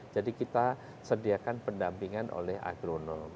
jadi kita sediakan pendampingan oleh agronom